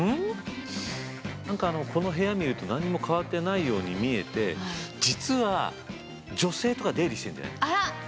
何かこの部屋見ると何にも変わってないように見えて実は女性とか出入りしてんじゃない？